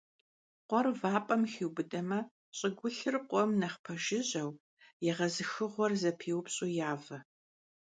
Къуэр вапӀэм хиубыдэмэ, щӀыгулъыр къуэм нэхъ пэжыжьэу, егъэзыхыгъуэр зэпиупщӀу явэ.